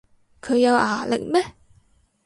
佢有牙力咩